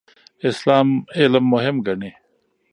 اسلام علم مهم ګڼي.